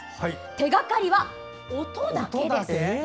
手がかりは、音だけです！